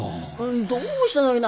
どうしたのいな。